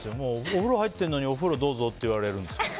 お風呂入ってるのにお風呂どうぞって言われるんですよ。